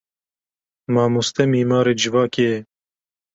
Mamoste mîmarê civakê ye.